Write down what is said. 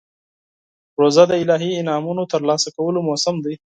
روژه د الهي انعامونو ترلاسه کولو موسم دی.